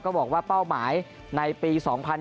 บอกว่าเป้าหมายในปี๒๐๑๖